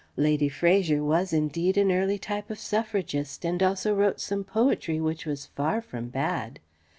Lady Fraser was, indeed, an early type of Suffragist and also wrote some poetry which was far from bad.